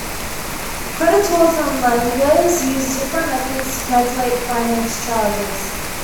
Creditors and lenders use different methods to calculate finance charges.